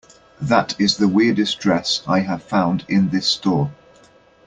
That is the weirdest dress I have found in this store.